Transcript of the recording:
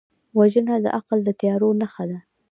وژنه د عقل د تیارو نښه ده